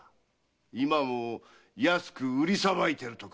今も安く売りさばいてるとか。